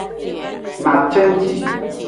Na cenji.